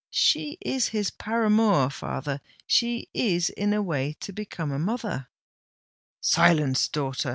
She is his paramour, father—she is in a way to become a mother——" "Silence, daughter!"